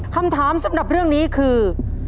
คำถามสำหรับเรื่องนี้คือ